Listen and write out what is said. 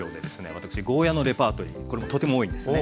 私ゴーヤーのレパートリーこれもとても多いんですね。